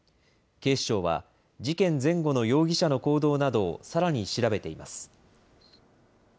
警視庁は、事件前後の容疑者の行動などを、さらに調べています。